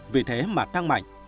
vì thế mà tăng mạnh